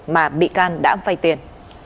mà bị can đã phay tiền